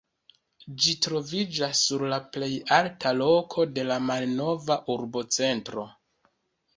Ĝi troviĝas sur la plej alta loko de la malnova urbocentro.